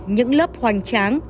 những lớp hoành tráng